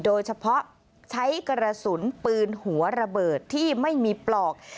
โดยเฉพาะใช้กระสุนปืนหัวระเบิดที่ไม่มีปลอก